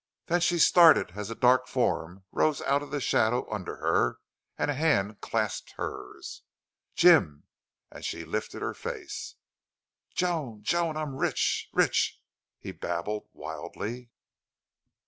Then she started as a dark form rose out of the shadow under her and a hand clasped hers. Jim! and she lifted her face. "Joan! Joan! I'm rich! rich!" he babbled, wildly.